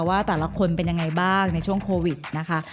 ว่าแต่ละคนเป็นยังไงบ้างในช่วงโควิดนะคะ